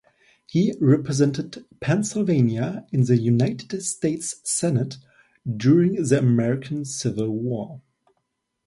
He represented Pennsylvania in the United States Senate during the American Civil War.